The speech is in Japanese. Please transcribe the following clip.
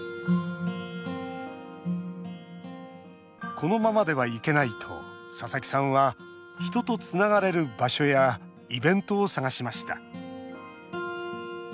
このままではいけないと佐々木さんは人とつながれる場所やイベントを探しました。